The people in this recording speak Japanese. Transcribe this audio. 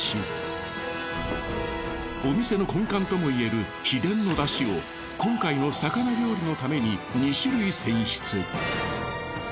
お店の根幹ともいえる秘伝のだしを今回の魚料理のために２種類選出。